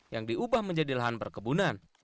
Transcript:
yang diubah menjadi lahan perkebunan